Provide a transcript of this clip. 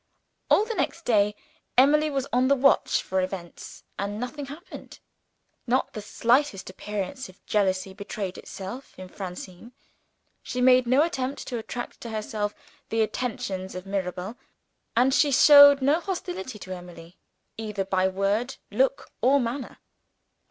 All the next day Emily was on the watch for events and nothing happened. Not the slightest appearance of jealousy betrayed itself in Francine. She made no attempt to attract to herself the attentions of Mirabel; and she showed no hostility to Emily, either by word, look, or manner.